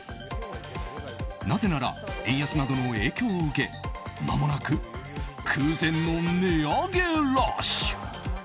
なぜなら、円安などの影響を受けまもなく空前の値上げラッシュ。